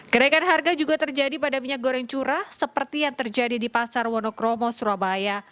kenaikan harga juga terjadi pada minyak goreng curah seperti yang terjadi di pasar wonokromo surabaya